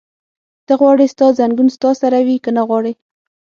ته غواړې ستا ځنګون ستا سره وي؟ که نه غواړې؟